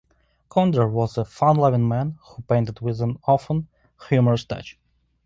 Conder was a fun-loving man who painted with an often humorous touch.